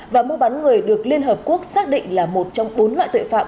và mua bán người được liên hợp quốc xác định là một trong bốn loại tội phạm